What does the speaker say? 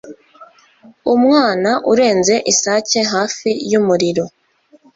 Umwana urenze isake, hafi yumuriro